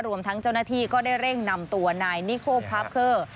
รวมทั้งเจ้าหน้าที่ก็ได้เร่งนำตัวนายนิโคพาร์คเคอร์